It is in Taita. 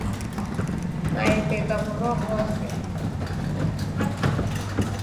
Maembe ghaw'urwa ghose.